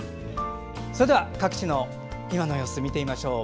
それでは各地の今日の様子見てみましょう。